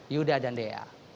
yuda dan dea